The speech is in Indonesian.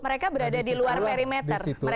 mereka berada di luar perimeter